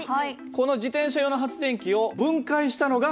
この自転車用の発電機を分解したのがこちらになります。